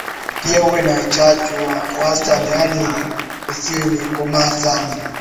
Pia uwe na uchachu wa wastani yaani isiwe imekomaa sana